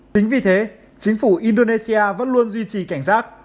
chính vì thế chính phủ indonesia vẫn luôn duy trì cảnh giác